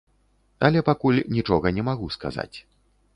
Але пакуль нічога не магу сказаць.